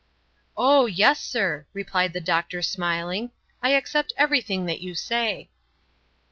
"Oh, yes, sir," replied the doctor, smiling, "I accept everything that you say."